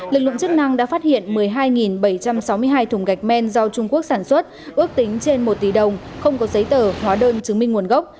lực lượng chức năng đã phát hiện một mươi hai bảy trăm sáu mươi hai thùng gạch men do trung quốc sản xuất ước tính trên một tỷ đồng không có giấy tờ hóa đơn chứng minh nguồn gốc